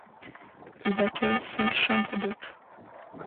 Il accueille cinq chambres d'hôtes.